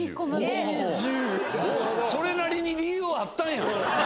それなりに理由あったんや！